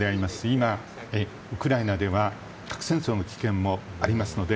今、ウクライナでは核戦争の危険もありますので。